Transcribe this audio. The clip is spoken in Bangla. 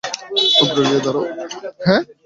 অগ্র গিয়ে দাড়াও।